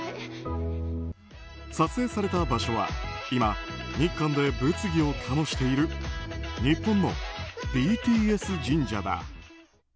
撮影された場所は今、日韓で物議を醸している日本のＢＴＳ神社だ。